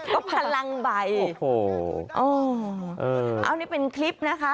ก็พลังใบโอ้โหอ๋อเอานี่เป็นคลิปนะคะ